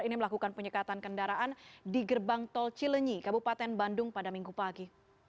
ini melakukan penyekatan kendaraan di gerbang tol cilenyi kabupaten bandung pada minggu pagi